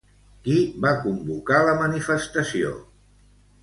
Qui va convocar la manifestació?